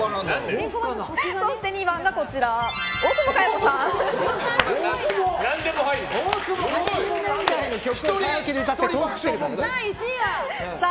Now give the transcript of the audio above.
そして２番、大久保佳代子さん。